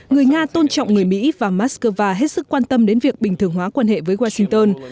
người nga tôn trọng người mỹ và moscow hết sức quan tâm đến việc bình thường hóa quan hệ với washington